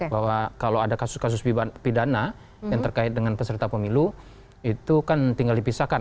bahwa kalau ada kasus kasus pidana yang terkait dengan peserta pemilu itu kan tinggal dipisahkan